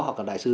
hoặc là đại sư